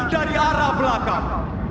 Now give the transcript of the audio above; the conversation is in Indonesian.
dari arah belakang